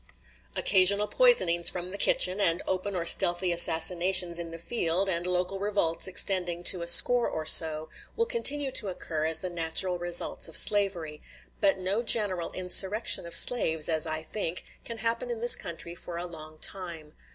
Occasional poisonings from the kitchen, and open or stealthy assassinations in the field, and local revolts extending to a score or so, will continue to occur as the natural results of slavery; but no general insurrection of slaves, as I think, can happen in this country for a long time.